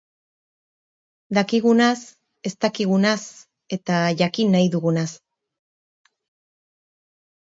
Dakigunaz, ez dakigunaz eta jakin nahi dugunaz.